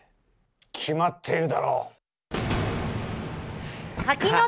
決まっているだろ。か。